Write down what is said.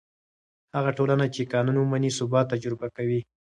هغه ټولنه چې قانون ومني، ثبات تجربه کوي.